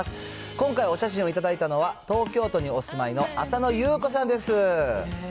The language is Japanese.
今回、お写真を頂いたのは、東京都にお住いの浅野ゆう子さんです。